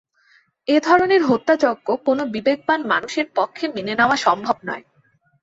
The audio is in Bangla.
এ ধরনের হত্যাযজ্ঞ কোনো বিবেকবান মানুষের পক্ষে মেনে নেওয়া সম্ভব নয়।